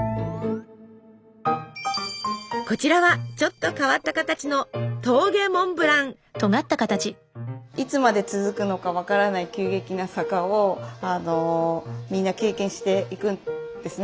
こちらはちょっと変わった形のいつまで続くのか分からない急激な坂をみんな経験していくんですね。